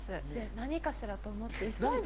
何かしら？と思って急いで。